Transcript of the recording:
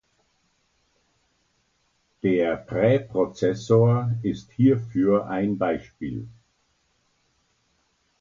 Der Präprozessor ist hierfür ein Beispiel.